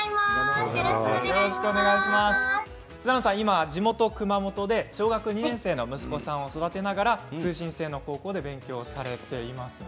今、地元熊本で小学２年生の息子さんを育てながら通信制の高校で勉強されていますね。